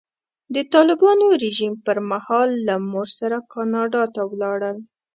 د طالبانو رژیم پر مهال له مور سره کاناډا ته ولاړل.